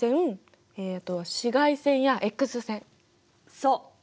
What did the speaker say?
そう。